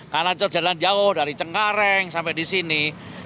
karena jalan jauh dari cengkareng sampai di sini